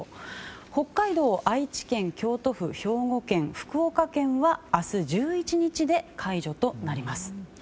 北海道、愛知県、京都府兵庫県福岡県は明日１１日で解除となります。